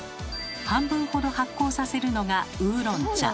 半分ほど発酵させるのがウーロン茶。